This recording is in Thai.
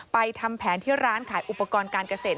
ทำแผนที่ร้านขายอุปกรณ์การเกษตร